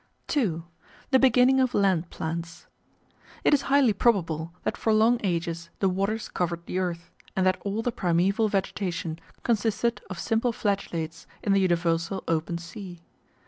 § 2 The Beginnings of Land Plants It is highly probable that for long ages the waters covered the earth, and that all the primeval vegetation consisted of simple Flagellates in the universal Open Sea.